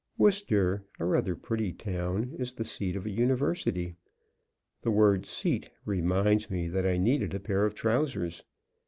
Wooster, rather a pretty town, is the seat of a university. The word "seat" reminds me that I needed a pair of trousers.